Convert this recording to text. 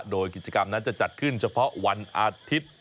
โดยกิจกรรมนั้นจะจัดขึ้นเฉพาะวันอาทิตย์